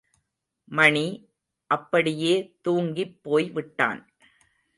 மணி, அப்படியே தூங்கிப் போய் விட்டான்.